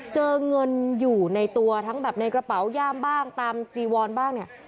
เจอเงินอยู่ในตัวทั้งแบบในกระเป๋าย่ามบ้างตามจีวอนบ้างเนี่ย